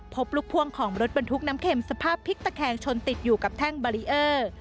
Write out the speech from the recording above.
พบลูกพ่วงของรถบรรทุกน้ำเข็มสภาพพลิกตะแคงชนติดอยู่กับแท่งบารีเออร์